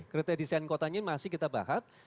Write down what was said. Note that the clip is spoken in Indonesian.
kriteria desain kotanya ini masih kita bahas